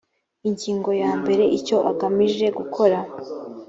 ingingo ya mbere icyo agamije gukora